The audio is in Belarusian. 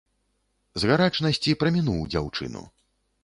З гарачнасці прамінуў дзяўчыну.